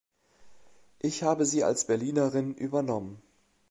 Ich habe sie als Berlinerin übernommen.